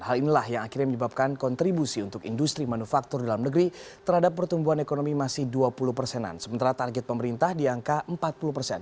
hal inilah yang akhirnya menyebabkan kontribusi untuk industri manufaktur dalam negeri terhadap pertumbuhan ekonomi masih dua puluh persenan sementara target pemerintah di angka empat puluh persen